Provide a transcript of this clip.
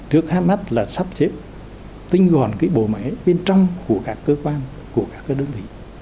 trước hai mắt là sắp xếp tinh gọn cái bộ máy bên trong của các cơ quan của các đơn vị